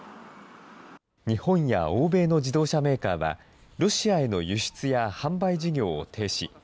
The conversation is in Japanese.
日本や欧米の自動車メーカーは、ロシアへの輸出や販売事業を停止。